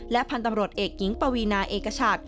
พันธุ์ตำรวจเอกหญิงปวีนาเอกชัด